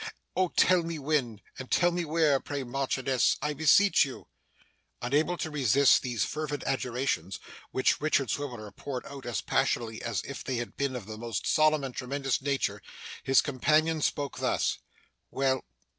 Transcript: Oh tell me when, and tell me where, pray Marchioness, I beseech you!' Unable to resist these fervent adjurations, which Richard Swiveller poured out as passionately as if they had been of the most solemn and tremendous nature, his companion spoke thus: 'Well!